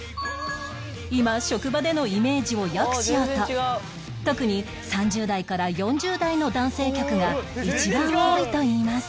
今職場でのイメージを良くしようと特に３０代から４０代の男性客が一番多いといいます